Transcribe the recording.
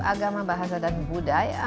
agama bahasa dan budaya